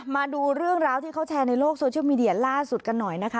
มาดูเรื่องราวที่เขาแชร์ในโลกโซเชียลมีเดียล่าสุดกันหน่อยนะคะ